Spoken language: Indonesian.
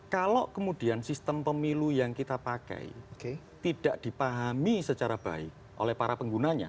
kalau kemudian sistem pemilu yang kita pakai tidak dipahami secara baik oleh para penggunanya